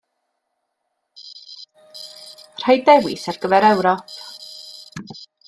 Rhaid dewis ar gyfer Ewrop.